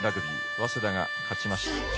早稲田が勝ちました。